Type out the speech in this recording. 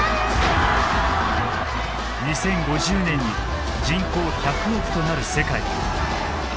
２０５０年に人口１００億となる世界。